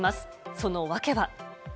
その訳は。